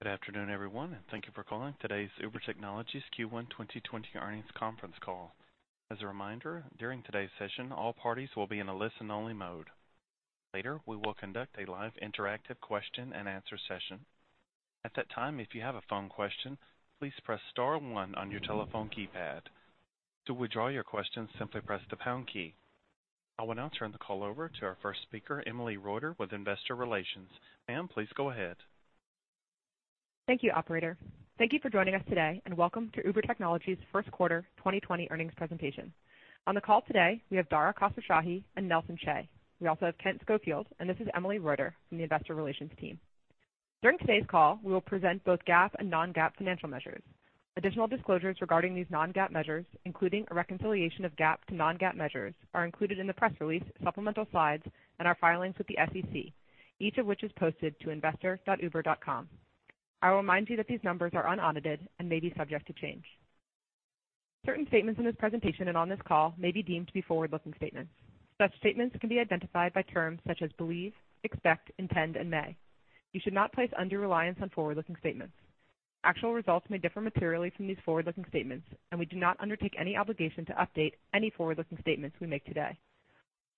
Good afternoon, everyone, and thank you for calling today's Uber Technologies Q1 2020 earnings conference call. As a reminder, during today's session, all parties will be in a listen-only mode. Later, we will conduct a live interactive question and answer session. At that time, if you have a phone question, please press star one on your telephone keypad. To withdraw your question, simply press the pound key. I will now turn the call over to our first speaker, Emily Reuter with Investor Relations. Ma'am, please go ahead. Thank you, operator. Thank you for joining us today and welcome to Uber Technologies first quarter 2020 earnings presentation. On the call today, we have Dara Khosrowshahi and Nelson Chai. We also have Kent Schofield, and this is Emily Reuter from the investor relations team. During today's call, we will present both GAAP and non-GAAP financial measures. Additional disclosures regarding these non-GAAP measures, including a reconciliation of GAAP to non-GAAP measures, are included in the press release, supplemental slides, and our filings with the SEC, each of which is posted to investor.uber.com. I will remind you that these numbers are unaudited and may be subject to change. Certain statements in this presentation and on this call may be deemed to be forward-looking statements. Such statements can be identified by terms such as believe, expect, intend, and may. You should not place undue reliance on forward-looking statements. Actual results may differ materially from these forward-looking statements and we do not undertake any obligation to update any forward-looking statements we make today.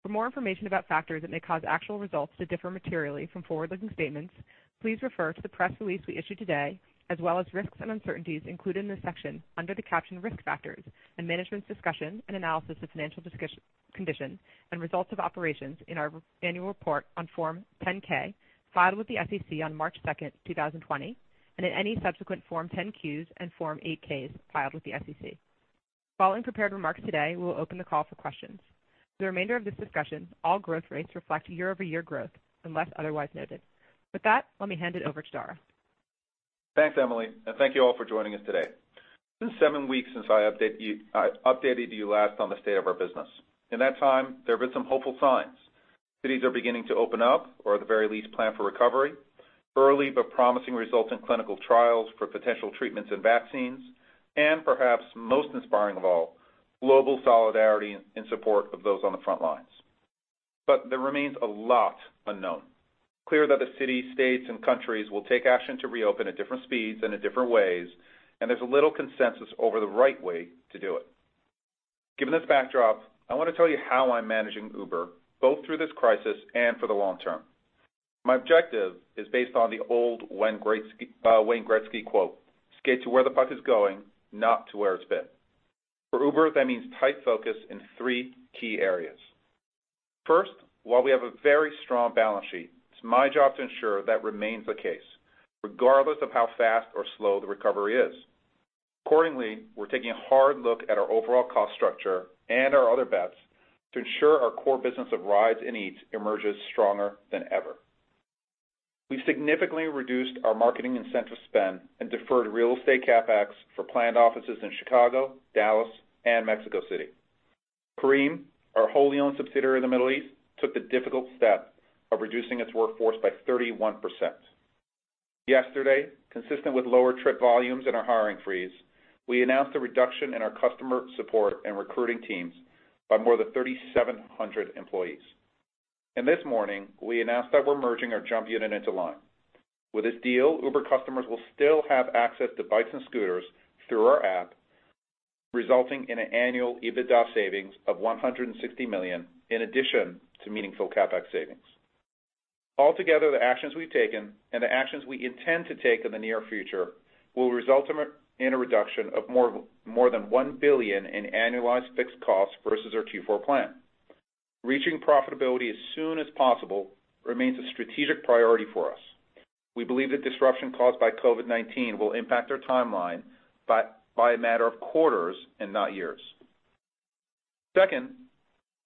For more information about factors that may cause actual results to differ materially from forward-looking statements, please refer to the press release we issued today as well as risks and uncertainties included in the section under the caption risk factors and management's discussion and analysis of financial condition and results of operations in our annual report on Form 10-K filed with the SEC on March 2nd, 2020, and in any subsequent Form 10-Qs and Form 8-Ks filed with the SEC. Following prepared remarks today, we will open the call for questions. For the remainder of this discussion, all growth rates reflect year-over-year growth unless otherwise noted. With that, let me hand it over to Dara. Thanks, Emily. Thank you all for joining us today. It's been seven weeks since I updated you last on the state of our business. In that time, there have been some hopeful signs. Cities are beginning to open up, or at the very least, plan for recovery, early but promising results in clinical trials for potential treatments and vaccines, and perhaps most inspiring of all, global solidarity in support of those on the front lines. There remains a lot unknown. It's clear that the cities, states, and countries will take action to reopen at different speeds and in different ways, and there's a little consensus over the right way to do it. Given this backdrop, I want to tell you how I'm managing Uber, both through this crisis and for the long term. My objective is based on the old Wayne Gretzky quote, "Skate to where the puck is going, not to where it's been." For Uber, that means tight focus in three key areas. First, while we have a very strong balance sheet, it's my job to ensure that remains the case, regardless of how fast or slow the recovery is. Accordingly, we're taking a hard look at our overall cost structure and our other bets to ensure our core business of rides and Eats emerges stronger than ever. We've significantly reduced our marketing incentive spend and deferred real estate CapEx for planned offices in Chicago, Dallas, and Mexico City. Careem, our wholly-owned subsidiary in the Middle East, took the difficult step of reducing its workforce by 31%. Yesterday, consistent with lower trip volumes and our hiring freeze, we announced a reduction in our customer support and recruiting teams by more than 3,700 employees. This morning, we announced that we're merging our JUMP unit into Lime. With this deal, Uber customers will still have access to bikes and scooters through our app, resulting in an annual EBITDA savings of $160 million in addition to meaningful CapEx savings. Altogether, the actions we've taken and the actions we intend to take in the near future will result in a reduction of more than $1 billion in annualized fixed costs versus our Q4 plan. Reaching profitability as soon as possible remains a strategic priority for us. We believe the disruption caused by COVID-19 will impact our timeline by a matter of quarters and not years. Second,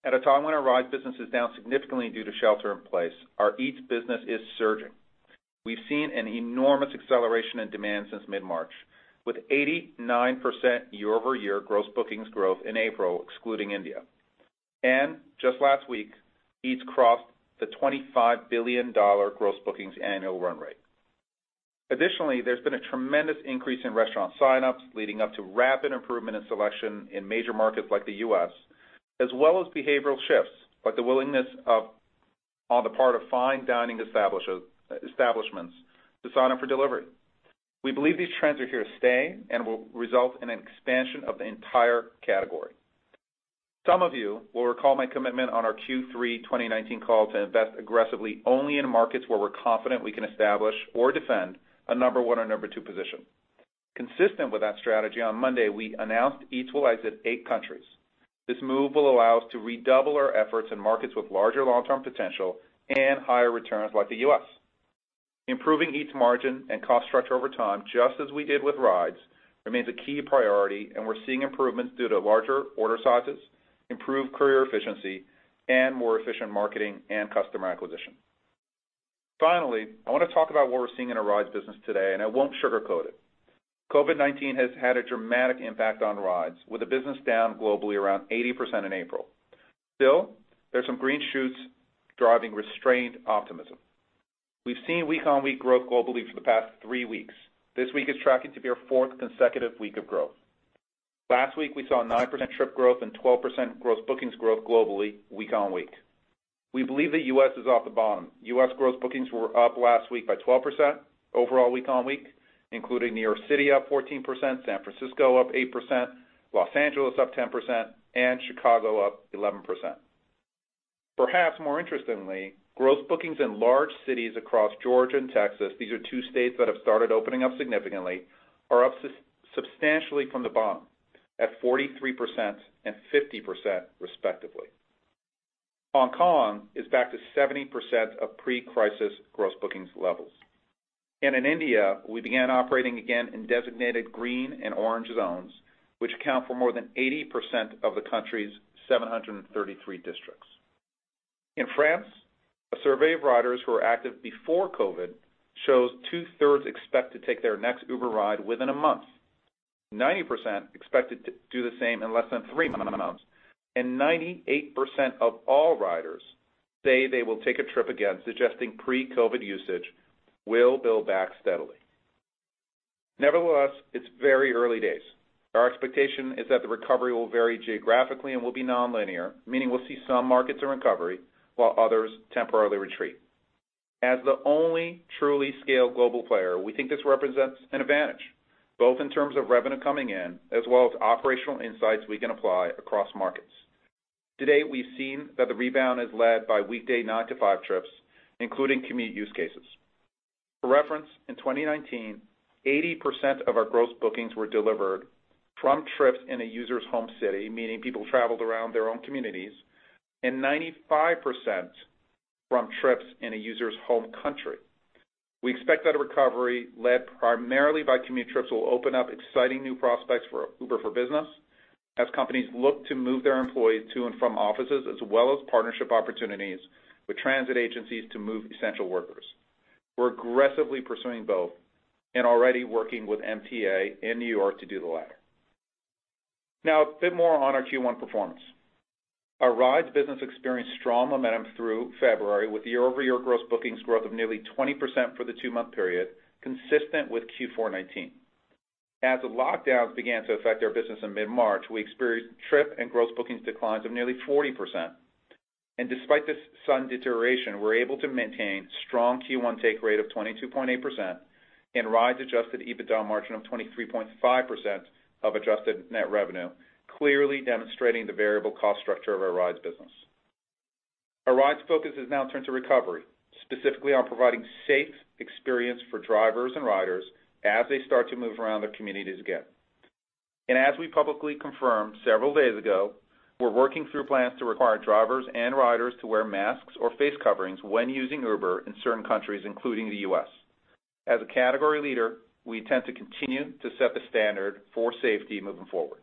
at a time when our Rides business is down significantly due to shelter in place, our Eats business is surging. We've seen an enormous acceleration in demand since mid-March, with 89% year-over-year gross bookings growth in April, excluding India. Just last week, Eats crossed the $25 billion gross bookings annual run rate. Additionally, there's been a tremendous increase in restaurant signups leading up to rapid improvement in selection in major markets like the U.S., as well as behavioral shifts, like the willingness on the part of fine dining establishments to sign up for delivery. We believe these trends are here to stay and will result in an expansion of the entire category. Some of you will recall my commitment on our Q3 2019 call to invest aggressively only in markets where we're confident we can establish or defend a number one or number two position. Consistent with that strategy, on Monday, we announced Eats will exit eight countries. This move will allow us to redouble our efforts in markets with larger long-term potential and higher returns like the U.S. Improving Eats margin and cost structure over time, just as we did with Rides, remains a key priority. We're seeing improvements due to larger order sizes, improved courier efficiency, and more efficient marketing and customer acquisition. Finally, I want to talk about what we're seeing in our Rides business today. I won't sugarcoat it. COVID-19 has had a dramatic impact on Rides, with the business down globally around 80% in April. Still, there's some green shoots driving restrained optimism. We've seen week-on-week growth globally for the past three weeks. This week is tracking to be our fourth consecutive week of growth. Last week, we saw 9% trip growth and 12% gross bookings growth globally week-on-week. We believe the U.S. is off the bottom. U.S. gross bookings were up last week by 12% overall week-on-week, including New York City up 14%, San Francisco up 8%, Los Angeles up 10%, and Chicago up 11%. Perhaps more interestingly, gross bookings in large cities across Georgia and Texas, these are two states that have started opening up significantly, are up substantially from the bottom, at 43% and 50% respectively. Hong Kong is back to 70% of pre-crisis gross bookings levels. In India, we began operating again in designated green and orange zones, which account for more than 80% of the country's 733 districts. In France, a survey of riders who were active before COVID-19 shows 2/3 expect to take their next Uber ride within a month, 90% expect to do the same in less than three months, and 98% of all riders say they will take a trip again, suggesting pre-COVID-19 usage will build back steadily. Nevertheless, it's very early days. Our expectation is that the recovery will vary geographically and will be non-linear, meaning we'll see some markets in recovery while others temporarily retreat. As the only truly scaled global player, we think this represents an advantage, both in terms of revenue coming in as well as operational insights we can apply across markets. To date, we've seen that the rebound is led by weekday nine-to-five trips, including commute use cases. For reference, in 2019, 80% of our gross bookings were delivered from trips in a user's home city, meaning people traveled around their own communities, and 95% from trips in a user's home country. We expect that a recovery led primarily by commute trips will open up exciting new prospects for Uber for Business as companies look to move their employees to and from offices, as well as partnership opportunities with transit agencies to move essential workers. We're aggressively pursuing both and already working with MTA in New York to do the latter. Now, a bit more on our Q1 performance. Our rides business experienced strong momentum through February with year-over-year gross bookings growth of nearly 20% for the two-month period, consistent with Q4 2019. As the lockdowns began to affect our business in mid-March, we experienced trip and gross bookings declines of nearly 40%. Despite this sudden deterioration, we were able to maintain strong Q1 take rate of 22.8% and rides adjusted EBITDA margin of 23.5% of adjusted net revenue, clearly demonstrating the variable cost structure of our rides business. Our rides focus has now turned to recovery, specifically on providing safe experience for drivers and riders as they start to move around their communities again. As we publicly confirmed several days ago, we're working through plans to require drivers and riders to wear masks or face coverings when using Uber in certain countries, including the U.S. As a category leader, we intend to continue to set the standard for safety moving forward.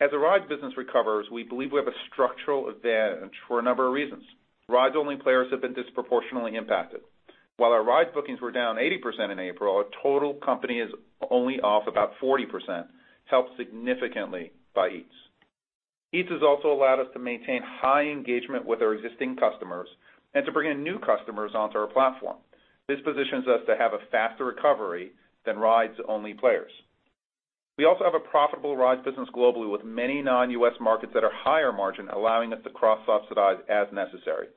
As the rides business recovers, we believe we have a structural advantage for a number of reasons. Rides-only players have been disproportionately impacted. While our rides bookings were down 80% in April, our total company is only off about 40%, helped significantly by Eats. Eats has also allowed us to maintain high engagement with our existing customers and to bring in new customers onto our platform. This positions us to have a faster recovery than rides-only players. We also have a profitable rides business globally with many non-U.S. markets that are higher margin, allowing us to cross-subsidize as necessary.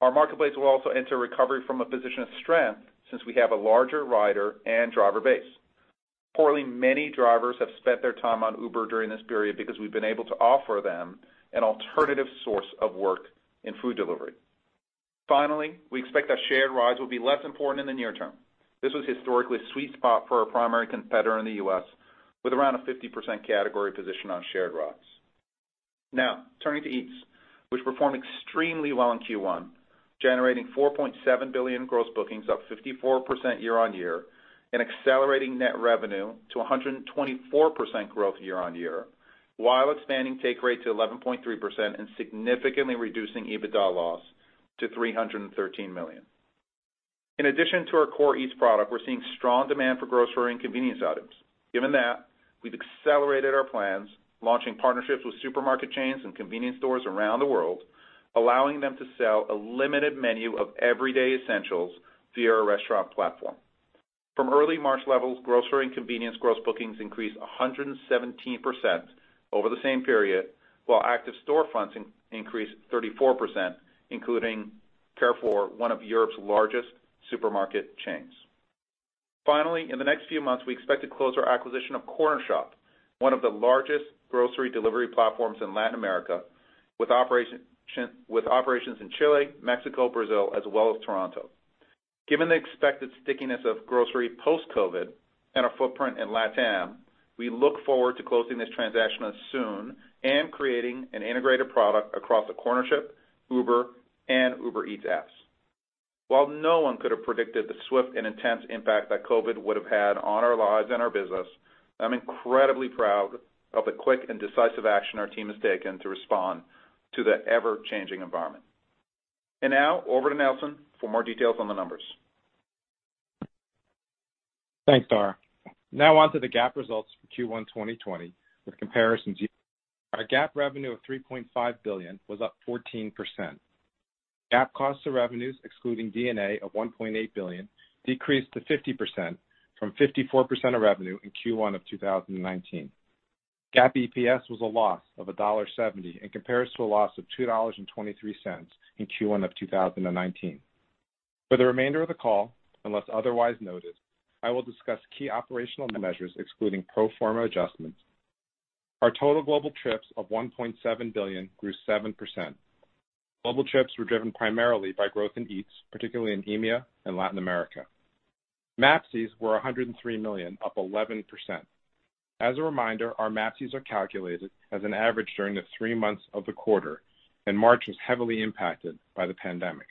Our marketplace will also enter recovery from a position of strength since we have a larger rider and driver base. Importantly, many drivers have spent their time on Uber during this period because we've been able to offer them an alternative source of work in food delivery. Finally, we expect that shared rides will be less important in the near term. This was historically a sweet spot for our primary competitor in the U.S., with around a 50% category position on shared rides. Turning to Eats, which performed extremely well in Q1, generating $4.7 billion gross bookings up 54% year-over-year and accelerating net revenue to 124% growth year-over-year, while expanding take rate to 11.3% and significantly reducing EBITDA loss to $313 million. In addition to our core Eats product, we're seeing strong demand for grocery and convenience items. Given that, we've accelerated our plans, launching partnerships with supermarket chains and convenience stores around the world, allowing them to sell a limited menu of everyday essentials via our restaurant platform. From early March levels, grocery and convenience gross bookings increased 117% over the same period, while active store fronts increased 34%, including Carrefour, one of Europe's largest supermarket chains. Finally, in the next few months, we expect to close our acquisition of Cornershop, one of the largest grocery delivery platforms in Latin America with operations in Chile, Mexico, Brazil, as well as Toronto. Given the expected stickiness of grocery post-COVID and our footprint in LATAM, we look forward to closing this transaction soon and creating an integrated product across the Cornershop, Uber, and Uber Eats apps. While no one could have predicted the swift and intense impact that COVID would have had on our lives and our business, I'm incredibly proud of the quick and decisive action our team has taken to respond to the ever-changing environment. Now, over to Nelson for more details on the numbers. Thanks, Dara. On to the GAAP results for Q1 2020 with comparisons. Our GAAP revenue of $3.5 billion was up 14%. GAAP cost of revenues, excluding D&A, of $1.8 billion decreased to 50% from 54% of revenue in Q1 of 2019. GAAP EPS was a loss of $1.70 and compares to a loss of $2.23 in Q1 of 2019. For the remainder of the call, unless otherwise noted, I will discuss key operational measures excluding pro forma adjustments. Our total global trips of 1.7 billion grew 7%. Global trips were driven primarily by growth in Eats, particularly in EMEA and Latin America. MAPCs were 103 million, up 11%. As a reminder, our MAPCs are calculated as an average during the three months of the quarter, and March was heavily impacted by the pandemic.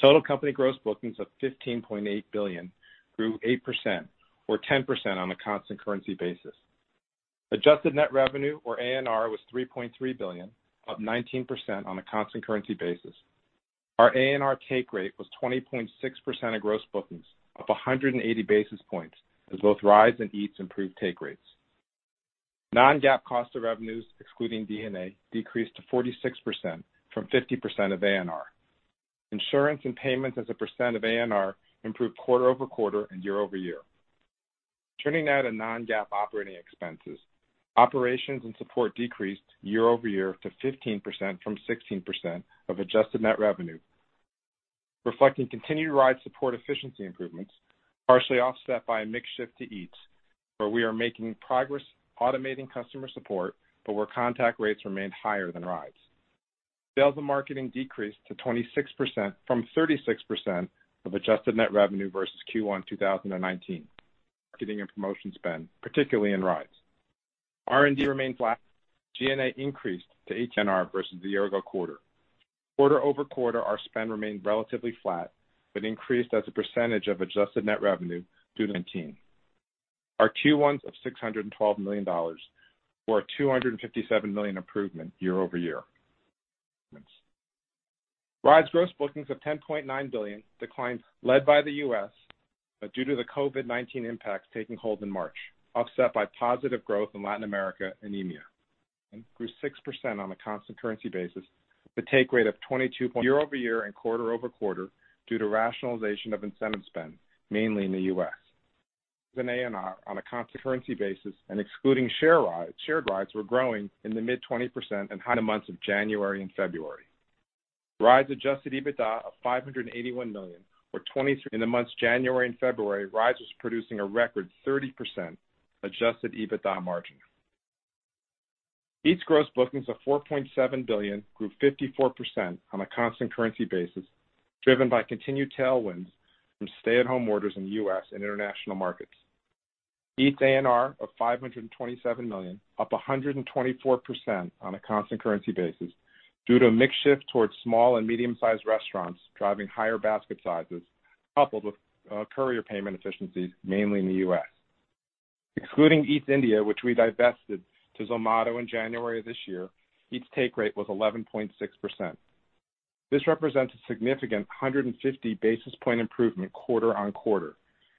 Total company gross bookings of $15.8 billion grew 8%, or 10% on a constant currency basis. Adjusted net revenue, or ANR, was $3.3 billion, up 19% on a constant currency basis. Our ANR take rate was 20.6% of gross bookings, up 180 basis points as both Rides and Eats improved take rates. Non-GAAP cost of revenues, excluding D&A, decreased to 46% from 50% of ANR. Insurance and payments as a percent of ANR improved quarter-over-quarter and year-over-year. Turning now to non-GAAP operating expenses. Operations and support decreased year-over-year to 15% from 16% of adjusted net revenue, reflecting continued Rides support efficiency improvements, partially offset by a mix shift to Eats, where we are making progress automating customer support, but where contact rates remain higher than Rides. Sales and marketing decreased to 26% from 36% of adjusted net revenue versus Q1 2019. Marketing and promotion spend, particularly in Rides. R&D remains flat. G&A increased to ANR versus the year ago quarter. Quarter-over-quarter, our spend remained relatively flat, but increased as a percentage of adjusted net revenue due to COVID-19. Our Q1 of $612 million, or a $257 million improvement year-over-year. Rides gross bookings of $10.9 billion declined, led by the U.S., but due to the COVID-19 impacts taking hold in March, offset by positive growth in Latin America and EMEA. Grew 6% on a constant currency basis, with a take rate of 22% year-over-year and quarter-over-quarter due to rationalization of incentive spend, mainly in the U.S. As an ANR on a constant currency basis and excluding shared rides were growing in the mid-20% and high the months of January and February. Rides adjusted EBITDA of $581 million or 23%. In the months January and February, Rides was producing a record 30% adjusted EBITDA margin. Eats gross bookings of $4.7 billion grew 54% on a constant currency basis, driven by continued tailwinds from stay-at-home orders in the U.S. and international markets. Eats ANR of $527 million, up 124% on a constant currency basis due to a mix shift towards small and medium-sized restaurants driving higher basket sizes, coupled with courier payment efficiencies, mainly in the U.S. Excluding Eats India, which we divested to Zomato in January of this year, Eats take rate was 11.6%. This represents a significant 150 basis point improvement quarter-over-quarter,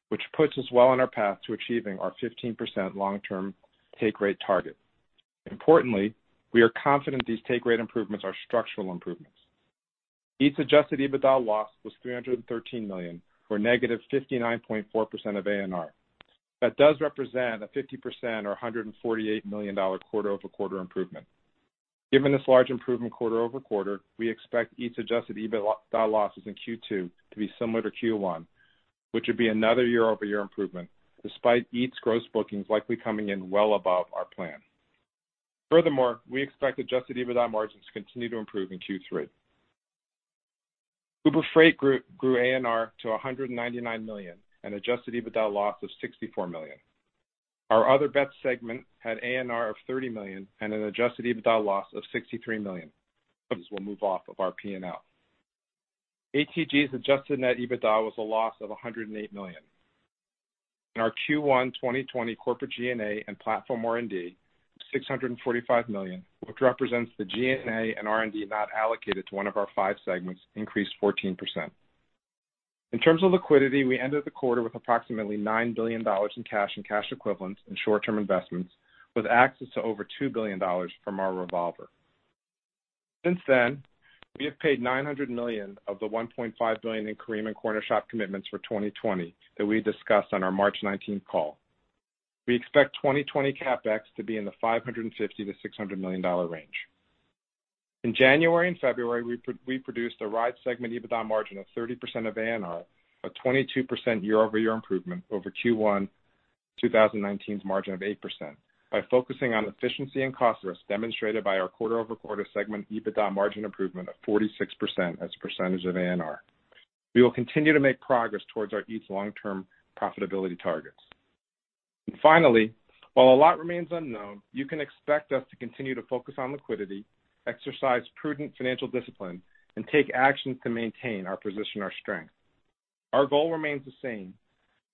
which puts us well on our path to achieving our 15% long-term take rate target. Importantly, we are confident these take rate improvements are structural improvements. Eats adjusted EBITDA loss was $313 million, or -59.4% of ANR. That does represent a 50% or $148 million quarter-over-quarter improvement. Given this large improvement quarter-over-quarter, we expect Eats adjusted EBITDA losses in Q2 to be similar to Q1, which would be another year-over-year improvement, despite Eats gross bookings likely coming in well above our plan. Furthermore, we expect adjusted EBITDA margins to continue to improve in Q3. Uber Freight grew ANR to $199 million and adjusted EBITDA loss of $64 million. Our Other Bets segment had ANR of $30 million and an adjusted EBITDA loss of $63 million. We will move off of our P&L. ATG's adjusted net EBITDA was a loss of $108 million. In our Q1 2020 corporate G&A and platform R&D of $645 million, which represents the G&A and R&D not allocated to one of our five segments, increased 14%. In terms of liquidity, we ended the quarter with approximately $9 billion in cash and cash equivalents and short-term investments, with access to over $2 billion from our revolver. Since then, we have paid $900 million of the $1.5 billion in Careem and Cornershop commitments for 2020 that we discussed on our March 19 call. We expect 2020 CapEx to be in the $550 million-$600 million range. In January and February, we produced a Rides segment EBITDA margin of 30% of ANR, a 22% year-over-year improvement over Q1 2019's margin of 8%, by focusing on efficiency and cost risks demonstrated by our quarter-over-quarter segment EBITDA margin improvement of 46% as a percentage of ANR. We will continue to make progress towards our Eats long-term profitability targets. Finally, while a lot remains unknown, you can expect us to continue to focus on liquidity, exercise prudent financial discipline, and take actions to maintain our position of strength. Our goal remains the same,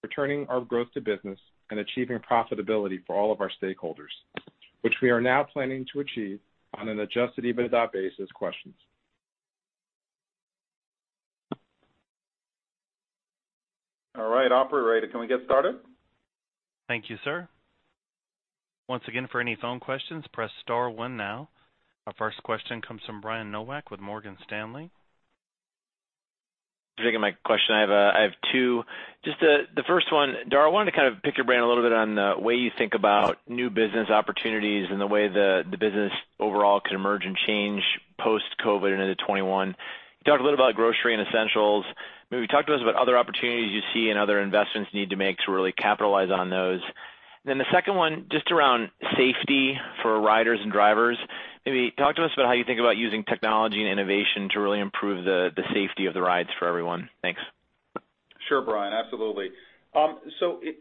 returning our growth to business and achieving profitability for all of our stakeholders, which we are now planning to achieve on an adjusted EBITDA basis. Questions? All right, operator, can we get started? Thank you, sir. Once again, for any phone questions, press star one now. Our first question comes from Brian Nowak with Morgan Stanley. Taking my question, I have two. Just the first one, Dara, I wanted to kind of pick your brain a little bit on the way you think about new business opportunities and the way the business overall could emerge and change post-COVID-19 into 2021. You talked a little about grocery and essentials. Maybe talk to us about other opportunities you see and other investments you need to make to really capitalize on those. The second one, just around safety for riders and drivers, maybe talk to us about how you think about using technology and innovation to really improve the safety of the rides for everyone. Thanks. Sure, Brian. Absolutely.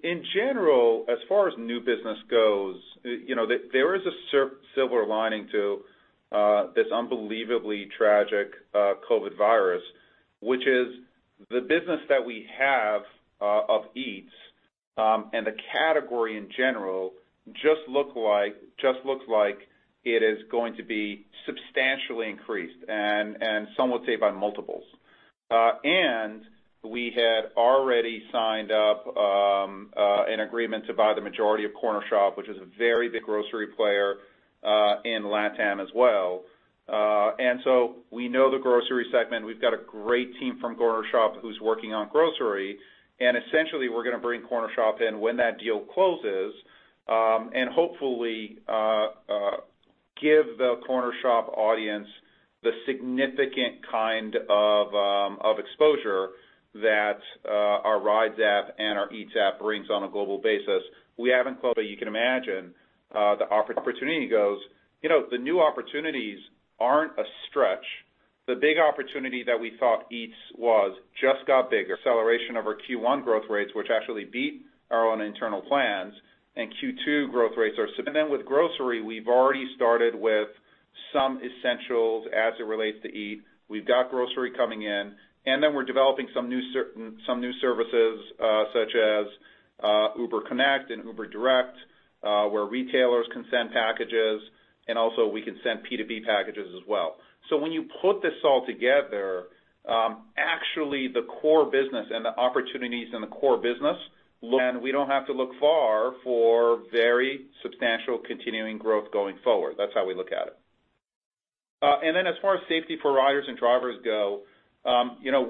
In general, as far as new business goes, there is a silver lining to this unbelievably tragic COVID-19, which is the business that we have of Eats and the category in general just looks like it is going to be substantially increased, and some would say by multiples. We had already signed up an agreement to buy the majority of Cornershop, which is a very big grocery player in LATAM as well. We know the grocery segment. We've got a great team from Cornershop who's working on grocery, and essentially, we're going to bring Cornershop in when that deal closes. Hopefully, give the Cornershop audience the significant kind of exposure that our Rides app and our Eats app brings on a global basis. We haven't quoted. You can imagine the opportunity goes. The new opportunities aren't a stretch. The big opportunity that we thought Eats was just got bigger. Acceleration of our Q1 growth rates, which actually beat our own internal plans, and Q2 growth rates are. With grocery, we've already started with some essentials as it relates to Eats. We've got grocery coming in, and then we're developing some new services, such as Uber Connect and Uber Direct, where retailers can send packages, and also we can send P2P packages as well. When you put this all together, actually the core business and the opportunities in the core business look. We don't have to look far for very substantial continuing growth going forward. That's how we look at it. As far as safety for riders and drivers go,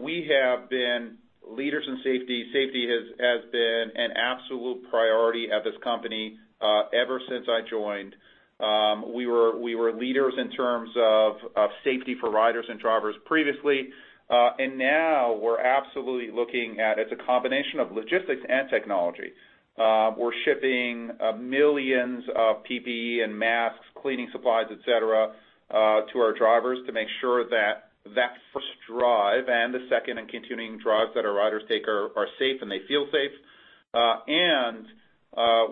we have been leaders in safety. Safety has been an absolute priority at this company ever since I joined. We were leaders in terms of safety for riders and drivers previously. Now we're absolutely looking at it's a combination of logistics and technology. We're shipping millions of PPE and masks, cleaning supplies, etc., to our drivers to make sure that that first drive and the second and continuing drives that our riders take are safe, and they feel safe.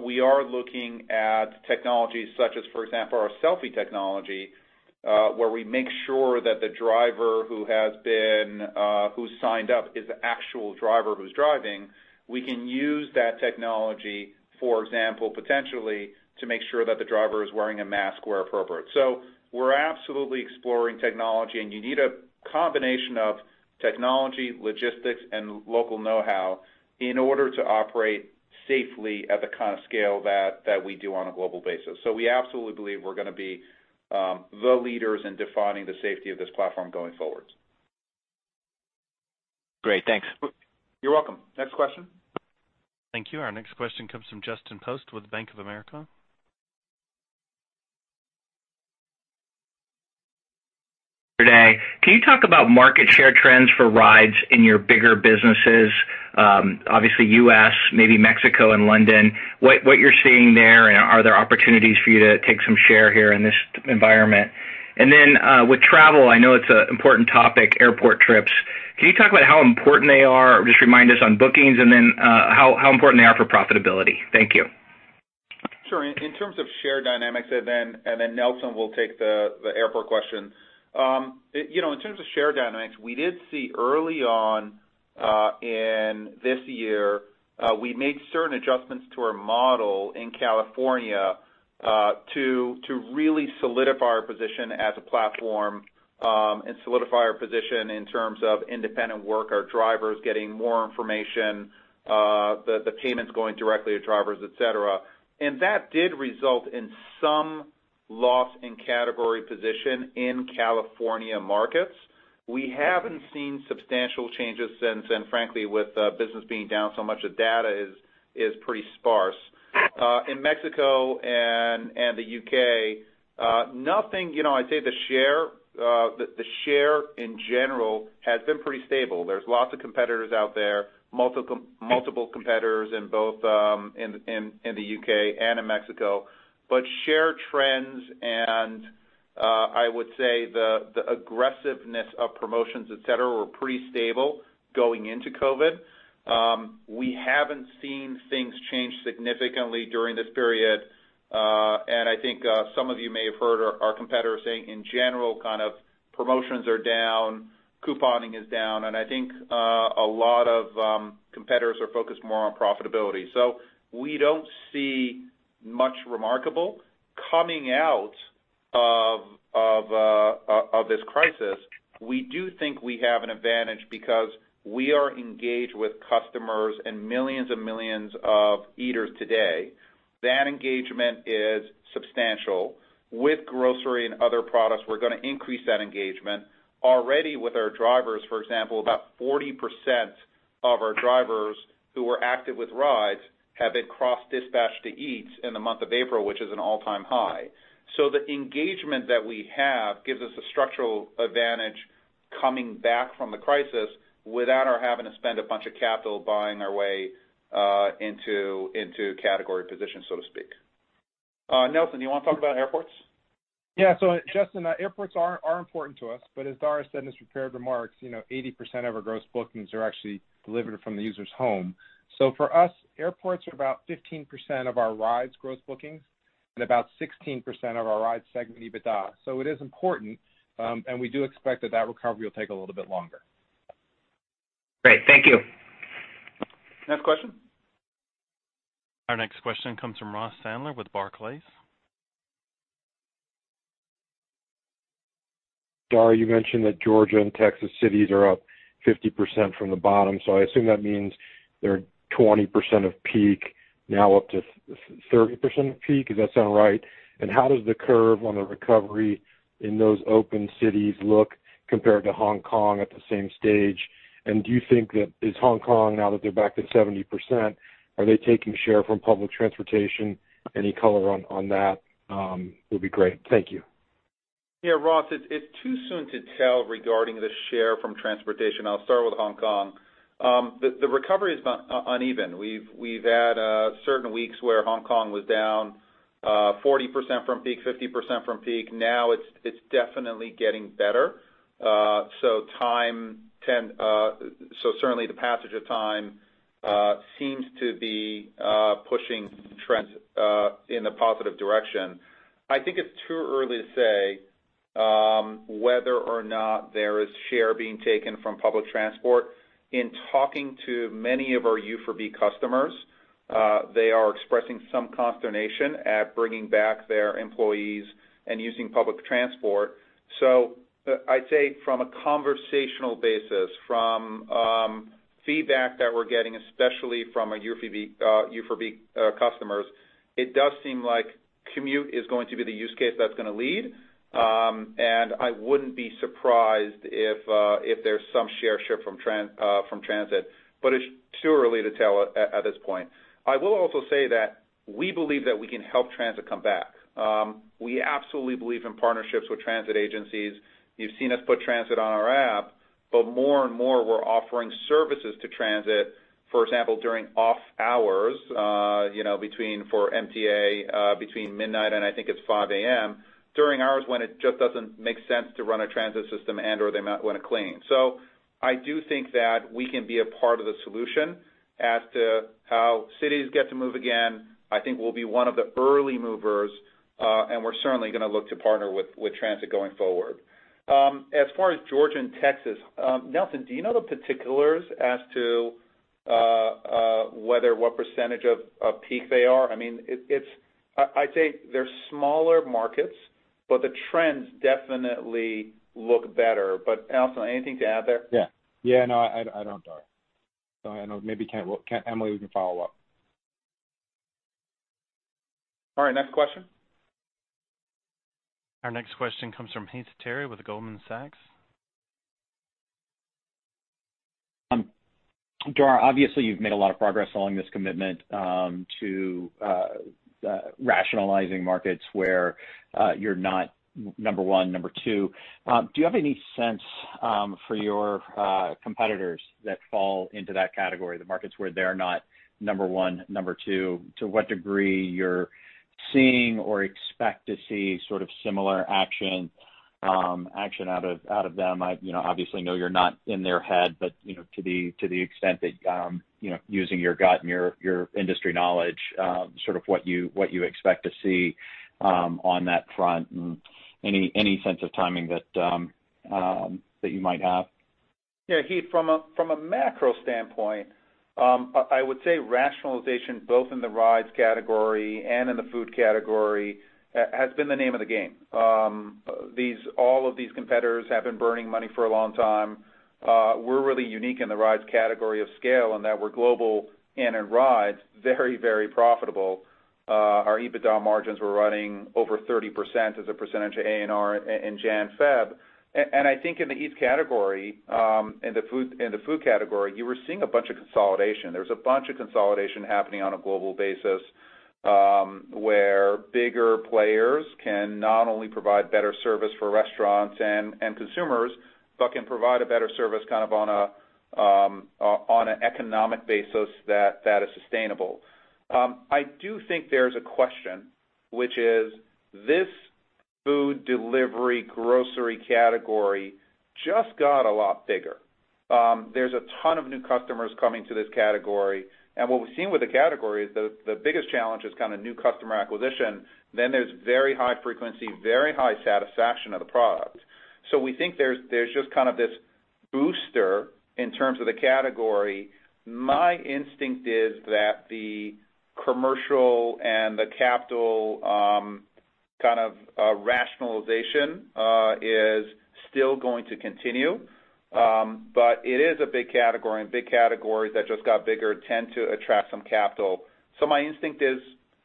We are looking at technologies such as, for example, our selfie technology, where we make sure that the driver who signed up is the actual driver who's driving. We can use that technology, for example, potentially to make sure that the driver is wearing a mask where appropriate. We're absolutely exploring technology, and you need a combination of technology, logistics, and local know-how in order to operate safely at the kind of scale that we do on a global basis. We absolutely believe we're going to be the leaders in defining the safety of this platform going forward. Great. Thanks. You're welcome. Next question. Thank you. Our next question comes from Justin Post with Bank of America. Good day. Can you talk about market share trends for rides in your bigger businesses? Obviously, U.S., maybe Mexico and London, what you're seeing there, and are there opportunities for you to take some share here in this environment? With travel, I know it's an important topic, airport trips, can you talk about how important they are? Just remind us on bookings and then how important they are for profitability. Thank you. Sure. In terms of share dynamics, Nelson will take the airport question. In terms of share dynamics, we did see early on in this year, we made certain adjustments to our model in California to really solidify our position as a platform and solidify our position in terms of independent worker drivers getting more information, the payments going directly to drivers, etc. That did result in some loss in category position in California markets. We haven't seen substantial changes since, and frankly, with business being down so much, the data is pretty sparse. In Mexico and the U.K., nothing. I'd say the share in general has been pretty stable. There's lots of competitors out there, multiple competitors in both the U.K. and in Mexico. Share trends and I would say the aggressiveness of promotions, et cetera, were pretty stable going into COVID. We haven't seen things change significantly during this period. I think some of you may have heard our competitors saying, in general, kind of promotions are down, couponing is down, and I think a lot of competitors are focused more on profitability. We don't see much remarkable coming out of this crisis, we do think we have an advantage because we are engaged with customers and millions of millions of eaters today. That engagement is substantial. With grocery and other products, we're going to increase that engagement. Already with our drivers, for example, about 40% of our drivers who were active with Rides have been cross-dispatched to Eats in the month of April, which is an all-time high. The engagement that we have gives us a structural advantage coming back from the crisis without our having to spend a bunch of capital buying our way into category positions, so to speak. Nelson, do you want to talk about airports? Yeah. Justin, airports are important to us, but as Dara said in his prepared remarks, 80% of our gross bookings are actually delivered from the user's home. For us, airports are about 15% of our rides gross bookings and about 16% of our rides segment EBITDA. It is important, and we do expect that that recovery will take a little bit longer. Great. Thank you. Next question. Our next question comes from Ross Sandler with Barclays. Dara, you mentioned that Georgia and Texas cities are up 50% from the bottom, I assume that means they're 20% of peak now up to 30% of peak. Does that sound right? How does the curve on the recovery in those open cities look compared to Hong Kong at the same stage? Is Hong Kong, now that they're back to 70%, are they taking share from public transportation? Any color on that would be great. Thank you. Ross, it's too soon to tell regarding the share from transportation. I'll start with Hong Kong. The recovery is uneven. We've had certain weeks where Hong Kong was down 40% from peak, 50% from peak. It's definitely getting better. Certainly the passage of time seems to be pushing trends in a positive direction. I think it's too early to say whether or not there is share being taken from public transport. In talking to many of our Uber for Business customers, they are expressing some consternation at bringing back their employees and using public transport. I'd say from a conversational basis, from feedback that we're getting, especially from our Uber for Business customers, it does seem like commute is going to be the use case that's going to lead. I wouldn't be surprised if there's some share shift from transit. It's too early to tell at this point. I will also say that we believe that we can help transit come back. We absolutely believe in partnerships with transit agencies. You've seen us put transit on our app, but more and more, we're offering services to transit, for example, during off hours for MTA between midnight and I think it's 5:00 A.M., during hours when it just doesn't make sense to run a transit system and/or they might want to clean. I do think that we can be a part of the solution as to how cities get to move again. I think we'll be one of the early movers, and we're certainly going to look to partner with transit going forward. As far as Georgia and Texas, Nelson, do you know the particulars as to what percentage of peak they are? I'd say they're smaller markets, but the trends definitely look better. Nelson, anything to add there? Yeah. No, I don't, Dara. Maybe Emily can follow up. All right. Next question. Our next question comes from Heath Terry with Goldman Sachs. Dara, obviously, you've made a lot of progress along this commitment to rationalizing markets where you're not number one, number two. Do you have any sense for your competitors that fall into that category, the markets where they're not number one, number two, to what degree you're seeing or expect to see sort of similar action out of them? I obviously know you're not in their head, but to the extent that using your gut and your industry knowledge, sort of what you expect to see on that front and any sense of timing that you might have. Yeah, Heath, from a macro standpoint, I would say rationalization, both in the Rides category and in the food category, has been the name of the game. All of these competitors have been burning money for a long time. We're really unique in the Rides category of scale in that we're global and in Rides, very profitable. Our EBITDA margins were running over 30% as a percentage of ANR in January, February. I think in the Eats category, in the food category, you were seeing a bunch of consolidation. There was a bunch of consolidation happening on a global basis, where bigger players can not only provide better service for restaurants and consumers, but can provide a better service on an economic basis that is sustainable. I do think there's a question, which is this food delivery, grocery category just got a lot bigger. There's a ton of new customers coming to this category. What we've seen with the category is the biggest challenge is kind of new customer acquisition. There's very high frequency, very high satisfaction of the product. We think there's just kind of this booster in terms of the category. My instinct is that the commercial and the capital kind of rationalization is still going to continue. It is a big category. Big categories that just got bigger tend to attract some capital. My instinct is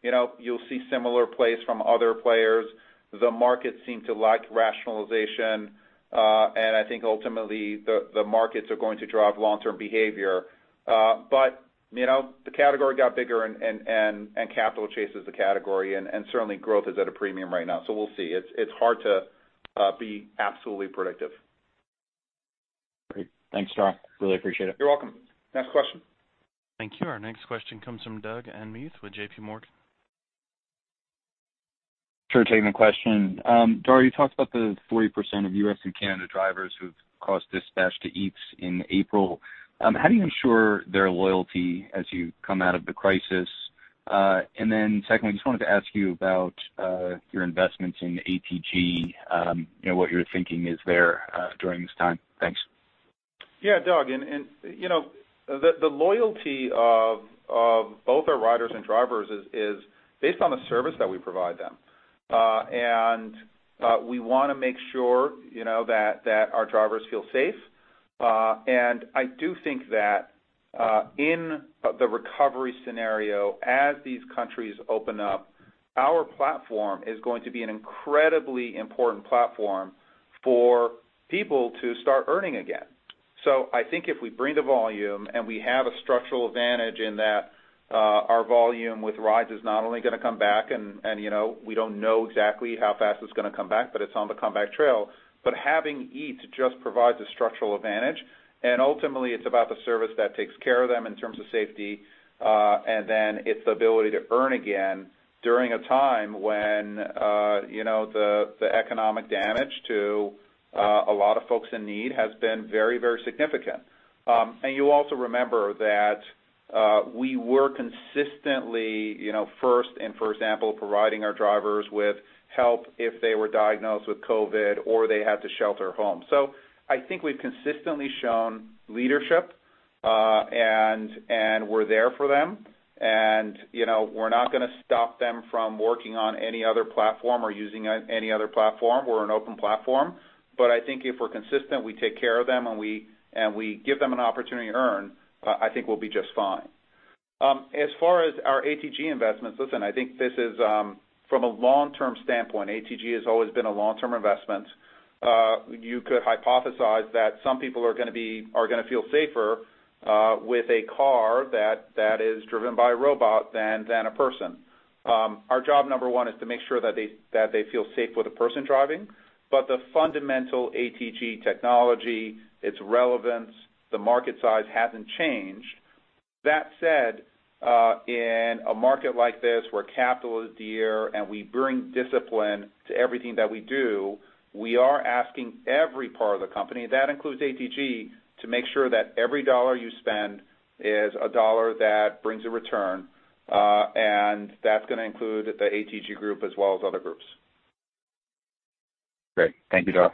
you'll see similar plays from other players. The markets seem to like rationalization. I think ultimately the markets are going to drive long-term behavior. The category got bigger. Capital chases the category. Certainly growth is at a premium right now, we'll see. It's hard to be absolutely predictive. Great. Thanks, Dara. Really appreciate it. You're welcome. Next question. Thank you. Our next question comes from Doug Anmuth with JPMorgan. Sure, taking the question. Dara, you talked about the 40% of U.S. and Canada drivers who've cross-dispatched to Eats in April. How do you ensure their loyalty as you come out of the crisis? Secondly, I just wanted to ask you about your investments in ATG, what your thinking is there during this time. Thanks. Yeah, Doug, the loyalty of both our riders and drivers is based on the service that we provide them. We want to make sure that our drivers feel safe. I do think that in the recovery scenario, as these countries open up, our platform is going to be an incredibly important platform for people to start earning again. I think if we bring the volume, and we have a structural advantage in that our volume with rides is not only going to come back, and we don't know exactly how fast it's going to come back, but it's on the comeback trail, but having Eats just provides a structural advantage, and ultimately, it's about the service that takes care of them in terms of safety, and then it's the ability to earn again during a time when the economic damage to a lot of folks in need has been very significant. You also remember that we were consistently first and, for example, providing our drivers with help if they were diagnosed with COVID or they had to shelter home. I think we've consistently shown leadership, and we're there for them, and we're not going to stop them from working on any other platform or using any other platform. We're an open platform. I think if we're consistent, we take care of them, and we give them an opportunity to earn, I think we'll be just fine. As far as our ATG investments, listen, I think this is from a long-term standpoint, ATG has always been a long-term investment. You could hypothesize that some people are going to feel safer with a car that is driven by a robot than a person. Our job number one is to make sure that they feel safe with a person driving, but the fundamental ATG technology, its relevance, the market size hasn't changed. In a market like this where capital is dear and we bring discipline to everything that we do, we are asking every part of the company, that includes ATG, to make sure that every dollar you spend is a dollar that brings a return, and that's going to include the ATG group as well as other groups. Great. Thank you, Dara.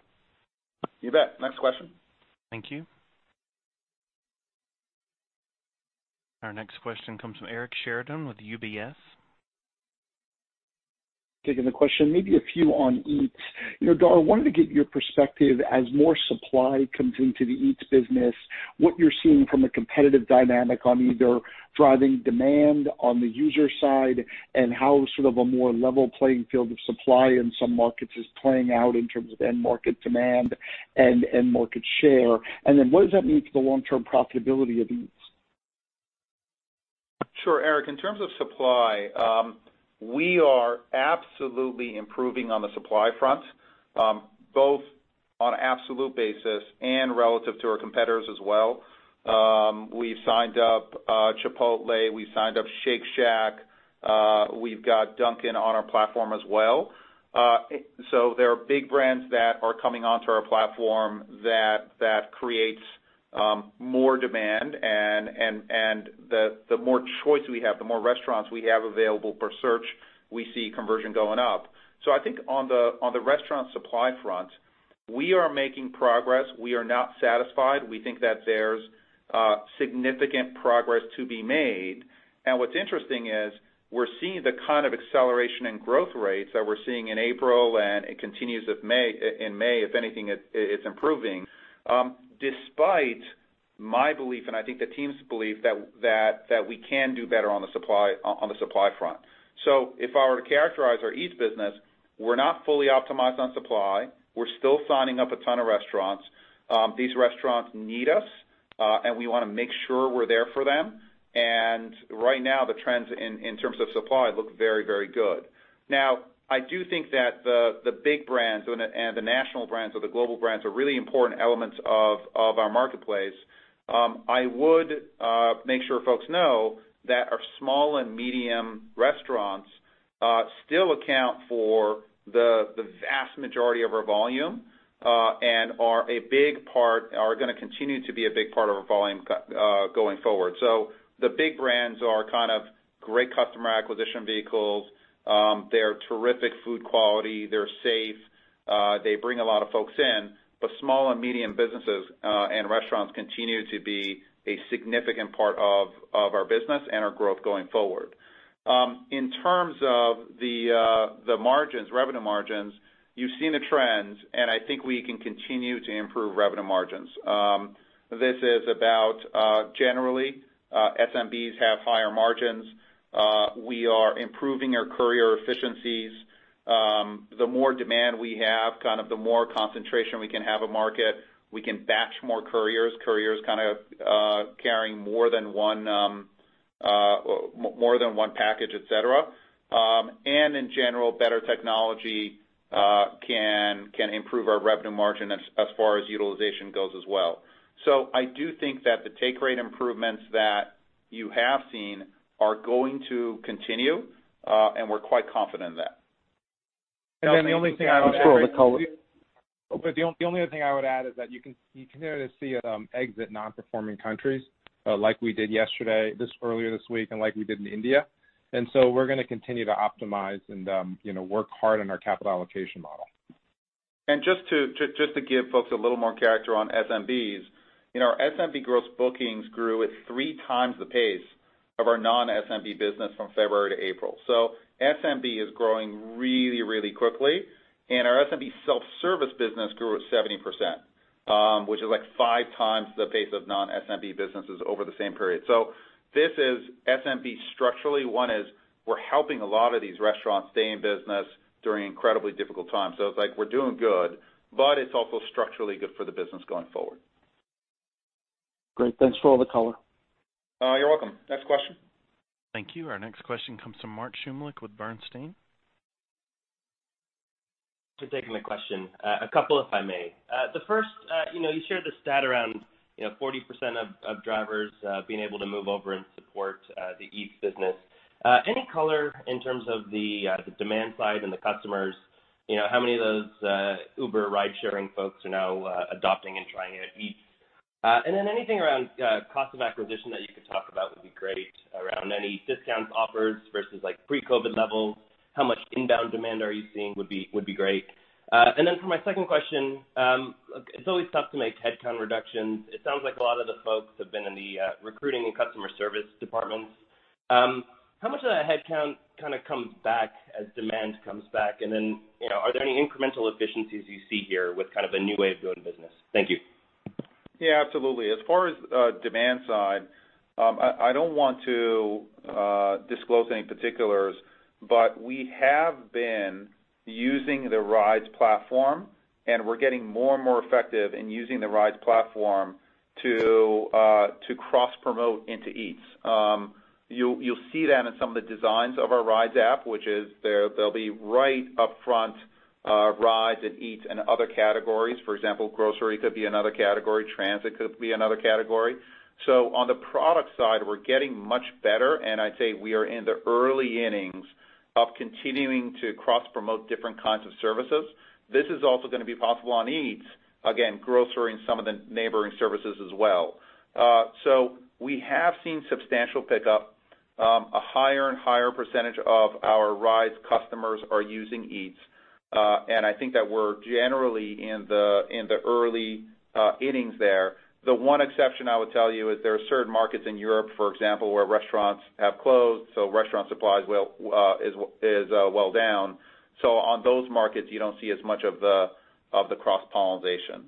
You bet. Next question. Thank you. Our next question comes from Eric Sheridan with UBS. Taking the question, maybe a few on Eats. Dara, wanted to get your perspective as more supply comes into the Eats business, what you're seeing from a competitive dynamic on either driving demand on the user side and how sort of a more level playing field of supply in some markets is playing out in terms of end market demand and end market share. What does that mean for the long-term profitability of Eats? Sure, Eric. In terms of supply, we are absolutely improving on the supply front, both on absolute basis and relative to our competitors as well. We've signed up Chipotle, we signed up Shake Shack, we've got Dunkin' on our platform as well. There are big brands that are coming onto our platform that creates more demand, and the more choice we have, the more restaurants we have available per search, we see conversion going up. I think on the restaurant supply front, we are making progress. We are not satisfied. We think that there's significant progress to be made, and what's interesting is we're seeing the kind of acceleration in growth rates that we're seeing in April, and it continues in May. If anything, it's improving. Despite my belief, and I think the team's belief, that we can do better on the supply front. If I were to characterize our Eats business, we're not fully optimized on supply. We're still signing up a ton of restaurants. These restaurants need us, and we want to make sure we're there for them. Right now, the trends in terms of supply look very good. Now, I do think that the big brands and the national brands or the global brands are really important elements of our marketplace. I would make sure folks know that our small and medium restaurants still account for the vast majority of our volume, and are going to continue to be a big part of our volume going forward. The big brands are kind of great customer acquisition vehicles. They are terrific food quality. They're safe. They bring a lot of folks in, but small and medium businesses, and restaurants continue to be a significant part of our business and our growth going forward. In terms of the revenue margins, you've seen the trends, I think we can continue to improve revenue margins. This is about, generally, SMBs have higher margins. We are improving our courier efficiencies. The more demand we have, the more concentration we can have a market. We can batch more couriers. Couriers carrying more than one package, et cetera. In general, better technology can improve our revenue margin as far as utilization goes as well. I do think that the take rate improvements that you have seen are going to continue, and we're quite confident in that. The only thing I would add. Thanks for all the color. The only other thing I would add is that you continue to see us exit non-performing countries, like we did yesterday, earlier this week, and like we did in India. We're going to continue to optimize and work hard on our capital allocation model. Just to give folks a little more character on SMBs. Our SMB gross bookings grew at three times the pace of our non-SMB business from February to April. SMB is growing really, really quickly. Our SMB self-service business grew at 70%, which is like five times the pace of non-SMB businesses over the same period. This is SMB structurally. One is, we're helping a lot of these restaurants stay in business during incredibly difficult times. It's like we're doing good, but it's also structurally good for the business going forward. Great. Thanks for all the color. You're welcome. Next question. Thank you. Our next question comes from Mark Shmulik with Bernstein. For taking the question. A couple, if I may. The first, you shared the stat around 40% of drivers being able to move over and support the Eats business. Any color in terms of the demand side and the customers, how many of those Uber ride-sharing folks are now adopting and trying out Eats? Anything around cost of acquisition that you could talk about would be great, around any discounts offered versus pre-COVID levels. How much inbound demand are you seeing would be great. For my second question, it's always tough to make headcount reductions. It sounds like a lot of the folks have been in the recruiting and customer service departments. How much of that headcount comes back as demand comes back? Are there any incremental efficiencies you see here with kind of a new way of doing business? Thank you. Yeah, absolutely. As far as demand side, I don't want to disclose any particulars, but we have been using the Rides platform, and we're getting more and more effective in using the Rides platform to cross-promote into Eats. You'll see that in some of the designs of our Rides app, which is they'll be right upfront, Rides and Eats and other categories. For example, grocery could be another category, transit could be another category. On the product side, we're getting much better, and I'd say we are in the early innings of continuing to cross-promote different kinds of services. This is also going to be possible on Eats, again, grocery and some of the neighboring services as well. We have seen substantial pickup. A higher and higher percentage of our Rides customers are using Eats. I think that we're generally in the early innings there. The one exception I would tell you is there are certain markets in Europe, for example, where restaurants have closed, restaurant supply is well down. On those markets, you don't see as much of the cross-pollination.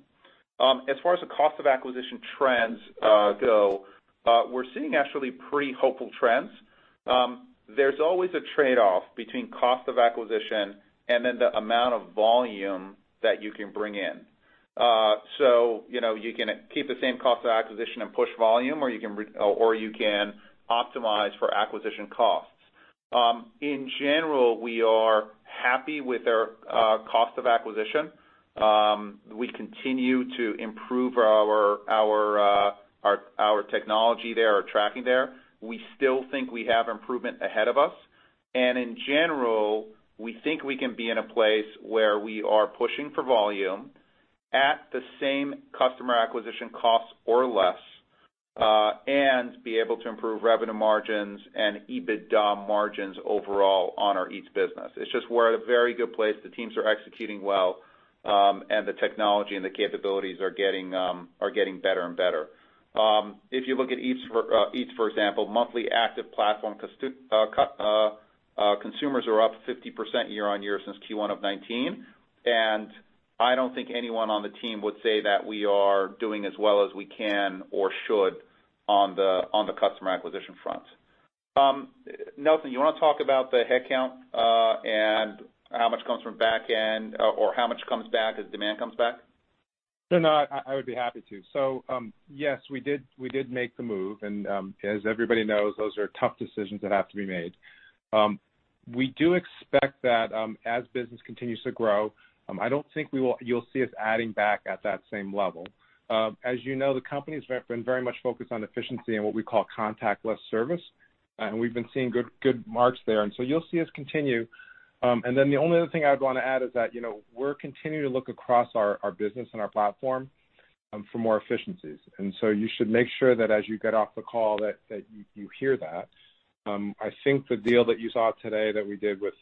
As far as the cost of acquisition trends go, we're seeing actually pretty hopeful trends. There's always a trade-off between cost of acquisition and then the amount of volume that you can bring in. You can keep the same cost of acquisition and push volume, or you can optimize for acquisition costs. In general, we are happy with our cost of acquisition. We continue to improve our technology there, our tracking there. We still think we have improvement ahead of us. In general, we think we can be in a place where we are pushing for volume at the same customer acquisition cost or less, and be able to improve revenue margins and EBITDA margins overall on our Eats business. It's just we're at a very good place. The teams are executing well. The technology and the capabilities are getting better and better. If you look at Eats, for example, monthly active platform consumers are up 50% year-on-year since Q1 of 2019. I don't think anyone on the team would say that we are doing as well as we can or should on the customer acquisition front. Nelson, you want to talk about the headcount? How much comes from back end or how much comes back as demand comes back? Sure. I would be happy to. Yes, we did make the move, and as everybody knows, those are tough decisions that have to be made. We do expect that as business continues to grow, I don't think you'll see us adding back at that same level. As you know, the company's been very much focused on efficiency and what we call contactless service. We've been seeing good marks there. You'll see us continue. The only other thing I would want to add is that, we're continuing to look across our business and our platform for more efficiencies. You should make sure that as you get off the call, that you hear that. I think the deal that you saw today that we did with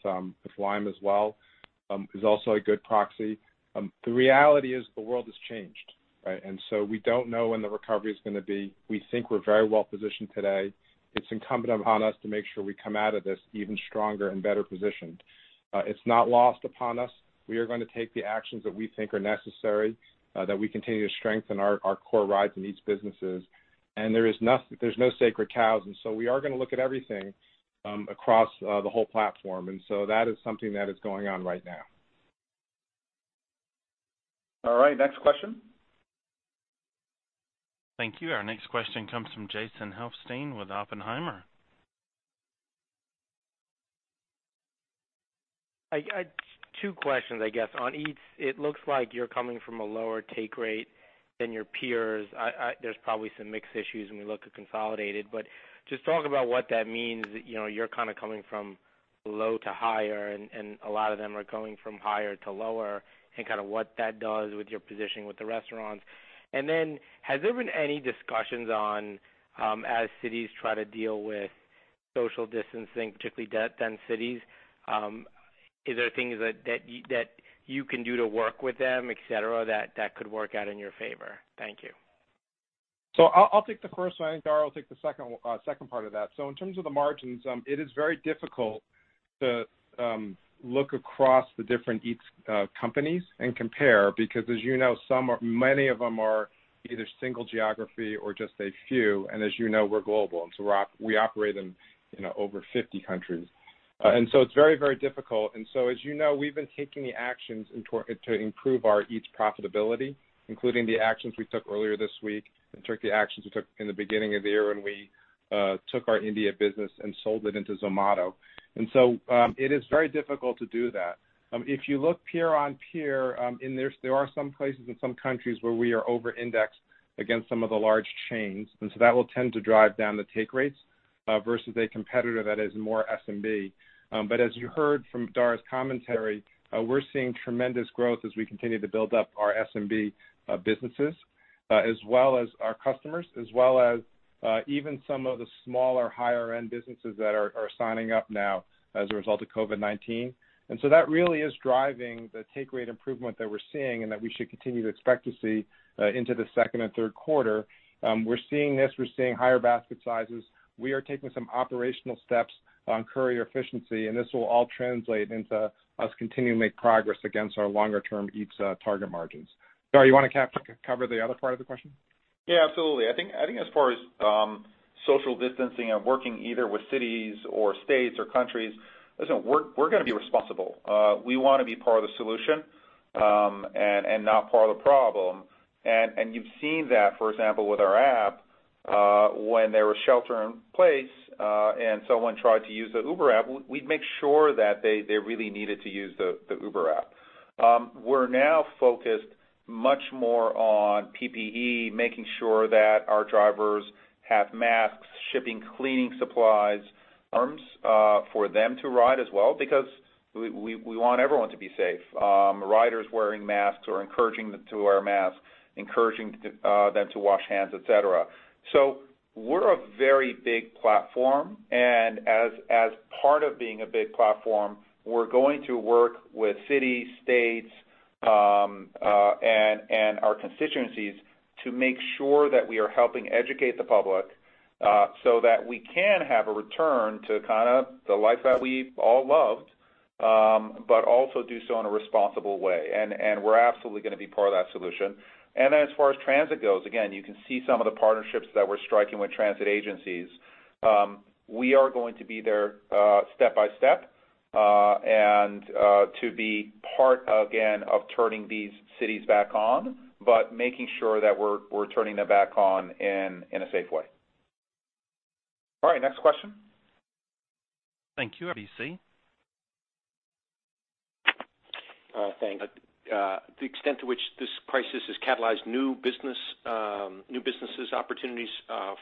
Lime as well, is also a good proxy. The reality is the world has changed, right? We don't know when the recovery is going to be. We think we're very well-positioned today. It's incumbent upon us to make sure we come out of this even stronger and better positioned. It's not lost upon us. We are going to take the actions that we think are necessary, that we continue to strengthen our core rides in these businesses, there's no sacred cows, we are going to look at everything across the whole platform. That is something that is going on right now. All right, next question. Thank you. Our next question comes from Jason Helfstein with Oppenheimer. I had two questions, I guess. On Eats, it looks like you're coming from a lower take rate than your peers. There's probably some mixed issues when we look at consolidated, but just talk about what that means. You're kind of coming from low to higher, and a lot of them are going from higher to lower, and kind of what that does with your positioning with the restaurants. Has there been any discussions on, as cities try to deal with social distancing, particularly dense cities, is there things that you can do to work with them, et cetera, that could work out in your favor? Thank you. I'll take the first one. I think Dara will take the second part of that. In terms of the margins, it is very difficult to look across the different Eats companies and compare because as you know, many of them are either single geography or just a few. As you know, we're global, and so we operate in over 50 countries. It's very difficult. As you know, we've been taking the actions to improve our Eats profitability, including the actions we took earlier this week, and took the actions we took in the beginning of the year when we took our India business and sold it into Zomato. It is very difficult to do that. If you look peer on peer, there are some places in some countries where we are over-indexed against some of the large chains, that will tend to drive down the take rates versus a competitor that is more SMB. As you heard from Dara's commentary, we're seeing tremendous growth as we continue to build up our SMB businesses, as well as our customers, as well as even some of the smaller, higher-end businesses that are signing up now as a result of COVID-19. That really is driving the take rate improvement that we're seeing and that we should continue to expect to see into the second and third quarter. We're seeing this, we're seeing higher basket sizes. We are taking some operational steps on courier efficiency, this will all translate into us continuing to make progress against our longer-term Eats target margins. Dara, you want to cover the other part of the question? Yeah, absolutely. I think as far as social distancing and working either with cities or states or countries, listen, we're going to be responsible. We want to be part of the solution, and not part of the problem. You've seen that, for example, with our app, when there was shelter in place, and someone tried to use the Uber app, we'd make sure that they really needed to use the Uber app. We're now focused much more on PPE, making sure that our drivers have masks, shipping cleaning supplies, arms for them to ride as well, because we want everyone to be safe. Riders wearing masks. We're encouraging them to wear masks, encouraging them to wash hands, etc. We're a very big platform, and as part of being a big platform, we're going to work with cities, states, and our constituencies to make sure that we are helping educate the public, so that we can have a return to kind of the life that we all loved, but also do so in a responsible way. We're absolutely going to be part of that solution. As far as transit goes, again, you can see some of the partnerships that we're striking with transit agencies. We are going to be there step by step, and to be part, again, of turning these cities back on, but making sure that we're turning them back on in a safe way. All right, next question. Thank you, RBC. Thanks. The extent to which this crisis has catalyzed new business opportunities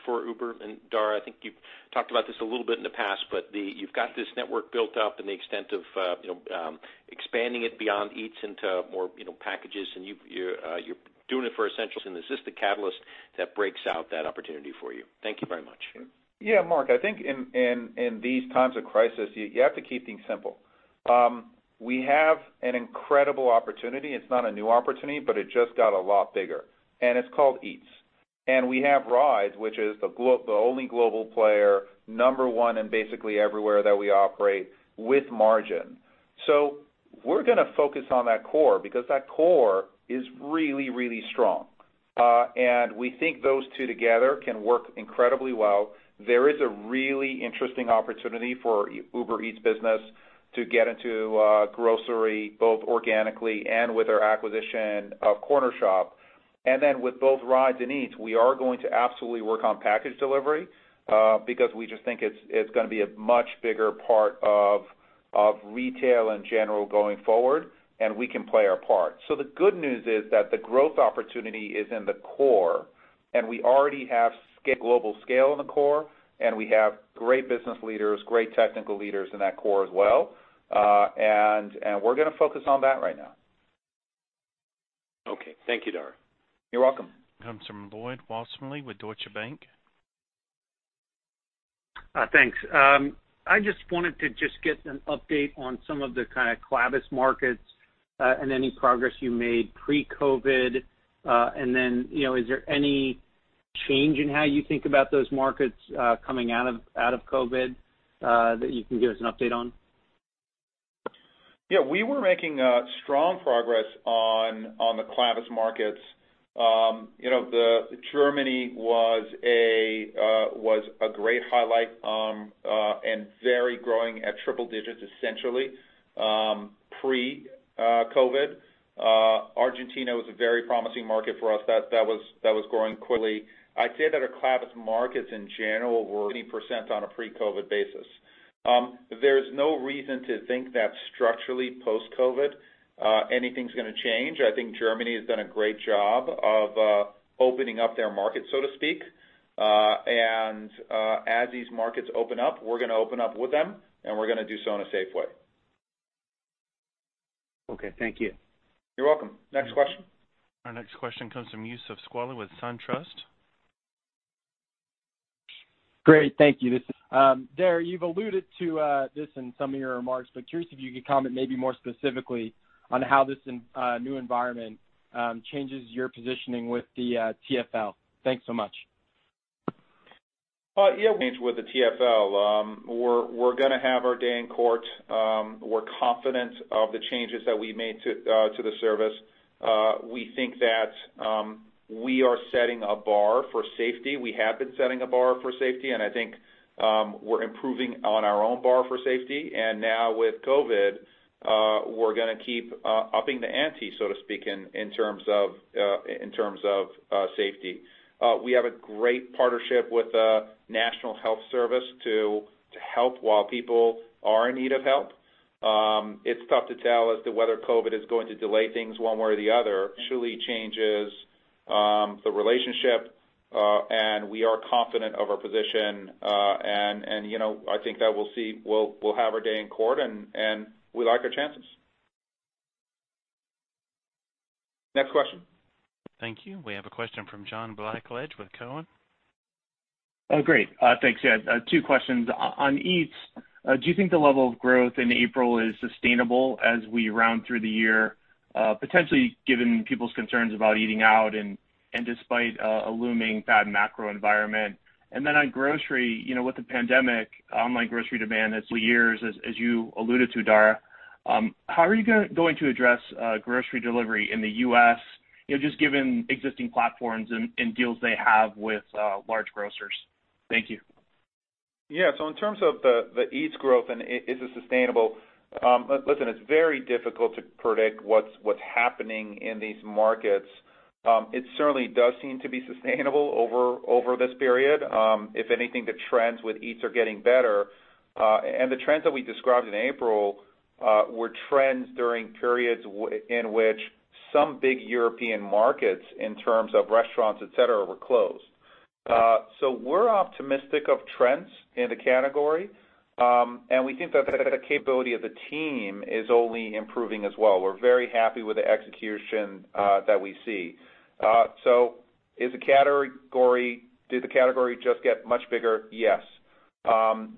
for Uber, and Dara, I think you've talked about this a little bit in the past, but you've got this network built up and the extent of expanding it beyond Eats into more packages, and you're doing it for essentials, and is this the catalyst that breaks out that opportunity for you? Thank you very much. Yeah, Mark, I think in these times of crisis, you have to keep things simple. We have an incredible opportunity. It's not a new opportunity, but it just got a lot bigger, it's called Eats. We have Rides, which is the only global player, number one in basically everywhere that we operate with margin. We're going to focus on that core because that core is really strong. We think those two together can work incredibly well. There is a really interesting opportunity for Uber Eats business to get into grocery, both organically and with our acquisition of Cornershop. With both Rides and Eats, we are going to absolutely work on package delivery, because we just think it's going to be a much bigger part of retail in general going forward, and we can play our part. The good news is that the growth opportunity is in the core. We already have global scale in the core, and we have great business leaders, great technical leaders in that core as well. We're going to focus on that right now. Okay. Thank you, Dara. You're welcome. Comes from Lloyd Walmsley with Deutsche Bank. Thanks. I just wanted to get an update on some of the kind of Clavis markets, and any progress you made pre-COVID. Is there any change in how you think about those markets coming out of COVID, that you can give us an update on? Yeah, we were making strong progress on the Clavis markets. Germany was a great highlight, and very growing at triple digits essentially, pre-COVID. Argentina was a very promising market for us that was growing quickly. I'd say that our Clavis markets in general were 20% on a pre-COVID basis. There's no reason to think that structurally post-COVID, anything's going to change. I think Germany has done a great job of opening up their market, so to speak. As these markets open up, we're going to open up with them, and we're going to do so in a safe way. Okay. Thank you. You're welcome. Next question. Our next question comes from Youssef Squali with SunTrust. Great. Thank you. Dara, you've alluded to this in some of your remarks, curious if you could comment maybe more specifically on how this new environment changes your positioning with the TfL. Thanks so much. Yeah. With the TfL, we're going to have our day in court. We're confident of the changes that we made to the service. We think that we are setting a bar for safety. We have been setting a bar for safety, and I think we're improving on our own bar for safety. Now with COVID, we're going to keep upping the ante, so to speak, in terms of safety. We have a great partnership with National Health Service to help while people are in need of help. It's tough to tell as to whether COVID is going to delay things one way or the other. Actually changes the relationship, and we are confident of our position. I think that we'll see, we'll have our day in court, and we like our chances. Next question. Thank you. We have a question from John Blackledge with Cowen. Oh, great. Thanks. Yeah, two questions. On Uber Eats, do you think the level of growth in April is sustainable as we round through the year, potentially given people's concerns about eating out and despite a looming bad macro environment? On grocery, with the pandemic, online grocery demand as years, as you alluded to, Dara, how are you going to address grocery delivery in the U.S., just given existing platforms and deals they have with large grocers? Thank you. Yeah. In terms of the Eats growth and is it sustainable? Listen, it's very difficult to predict what's happening in these markets. It certainly does seem to be sustainable over this period. If anything, the trends with Eats are getting better. The trends that we described in April were trends during periods in which some big European markets, in terms of restaurants, et cetera, were closed. We're optimistic of trends in the category. We think that the capability of the team is only improving as well. We're very happy with the execution that we see. Did the category just get much bigger? Yes.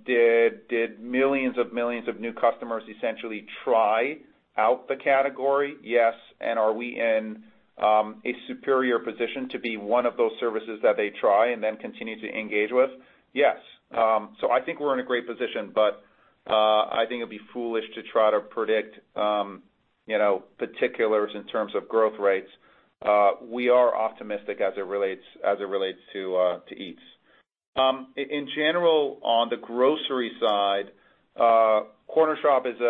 Did millions of new customers essentially try out the category? Yes. Are we in a superior position to be one of those services that they try and then continue to engage with? Yes. I think we're in a great position, but I think it'd be foolish to try to predict particulars in terms of growth rates. We are optimistic as it relates to Eats. In general, on the grocery side, Cornershop is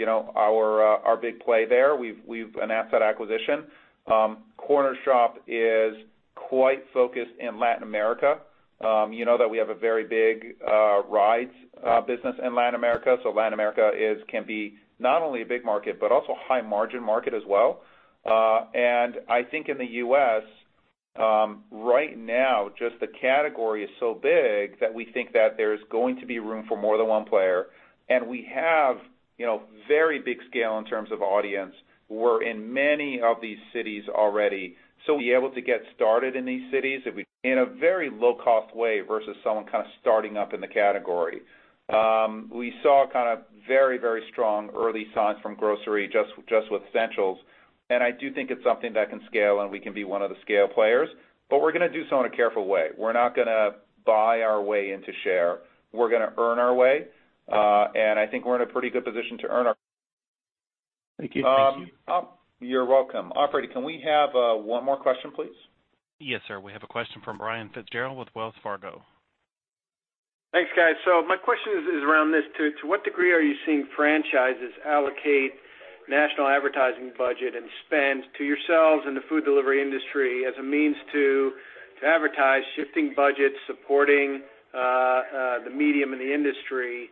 our big play there. We've an asset acquisition. Cornershop is quite focused in Latin America. You know that we have a very big rides business in Latin America. Latin America can be not only a big market, but also a high margin market as well. I think in the U.S., right now, just the category is so big that we think that there's going to be room for more than one player. We have very big scale in terms of audience. We're in many of these cities already. We'll be able to get started in these cities in a very low cost way, versus someone kind of starting up in the category. We saw very strong early signs from grocery, just with essentials. I do think it's something that can scale, and we can be one of the scale players, but we're going to do so in a careful way. We're not going to buy our way into share. We're going to earn our way. I think we're in a pretty good position to earn our. Thank you. You're welcome. Operator, can we have one more question, please? Yes, sir. We have a question from Brian Fitzgerald with Wells Fargo. Thanks, guys. My question is around this too. To what degree are you seeing franchises allocate national advertising budget and spend to yourselves and the food delivery industry as a means to advertise shifting budgets, supporting the medium and the industry.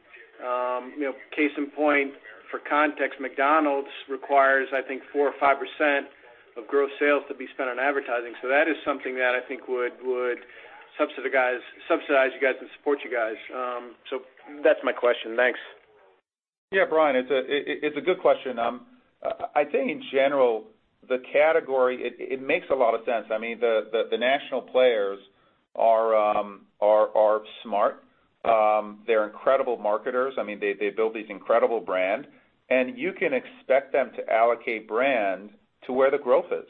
Case in point, for context, McDonald's requires, I think 4% or 5% of gross sales to be spent on advertising. That is something that I think would subsidize you guys and support you guys. That's my question. Thanks. Yeah, Brian, it's a good question. I think in general, the category, it makes a lot of sense. The national players are smart. They're incredible marketers. They build these incredible brand, and you can expect them to allocate brand to where the growth is.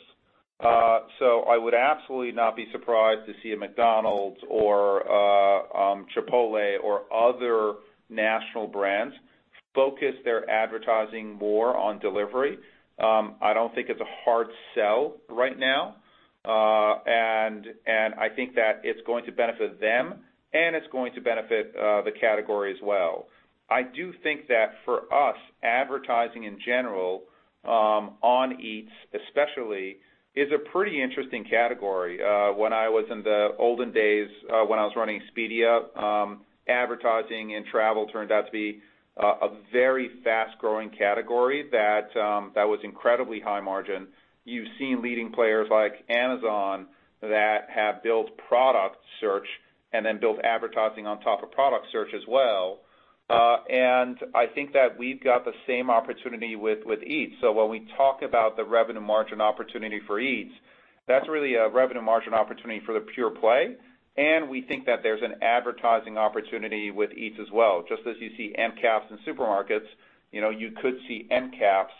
I would absolutely not be surprised to see a McDonald's or a Chipotle or other national brands focus their advertising more on delivery. I don't think it's a hard sell right now. I think that it's going to benefit them, and it's going to benefit the category as well. I do think that for us, advertising in general, on Eats especially, is a pretty interesting category. When I was in the olden days, when I was running Expedia, advertising and travel turned out to be a very fast-growing category that was incredibly high margin. You've seen leading players like Amazon that have built product search and then built advertising on top of product search as well. I think that we've got the same opportunity with Eats. When we talk about the revenue margin opportunity for Eats, that's really a revenue margin opportunity for the pure play, and we think that there's an advertising opportunity with Eats as well. Just as you see end caps in supermarkets, you could see end caps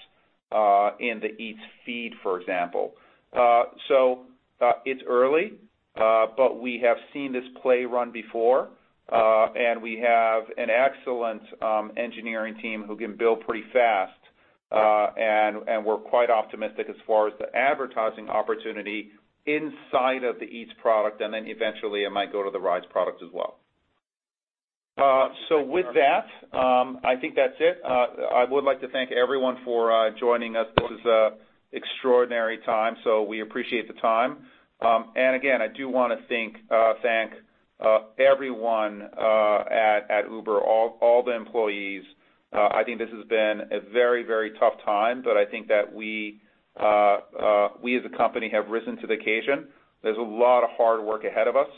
in the Eats feed, for example. It's early, but we have seen this play run before. We have an excellent engineering team who can build pretty fast. We're quite optimistic as far as the advertising opportunity inside of the Eats product, and then eventually it might go to the Rides product as well. With that, I think that's it. I would like to thank everyone for joining us. This is an extraordinary time, so we appreciate the time. Again, I do want to thank everyone at Uber, all the employees. I think this has been a very tough time, but I think that we as a company have risen to the occasion. There's a lot of hard work ahead of us,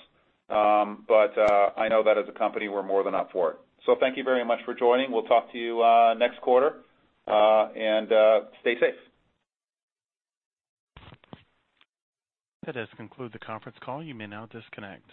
but I know that as a company, we're more than up for it. Thank you very much for joining. We'll talk to you next quarter, and stay safe. That does conclude the conference call. You may now disconnect.